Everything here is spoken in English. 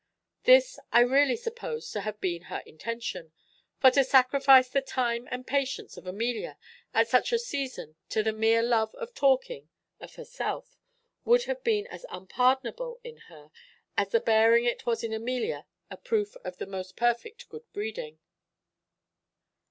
This I really suppose to have been her intention; for to sacrifice the time and patience of Amelia at such a season to the mere love of talking of herself would have been as unpardonable in her as the bearing it was in Amelia a proof of the most perfect good breeding.